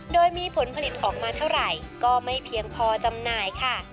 โดยมีผลผลิตออกมาเท่าไหร่ก็ไม่เพียงพอจำหน่ายค่ะ